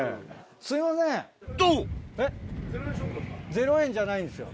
０円じゃないんですよ